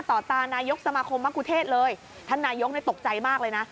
ตานายกสมาคมมะกุเทศเลยท่านนายกตกใจมากเลยนะ